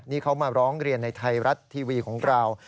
นี่เขามาร้องเรียนในไทยรัฐทีวีของเรา